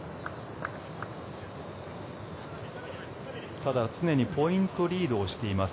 ただ常にポイントリードをしています